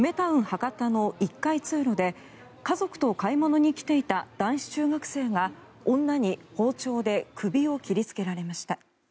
博多の１階通路で家族と買い物に来ていた男子中学生が女に包丁で首を切りつけられました。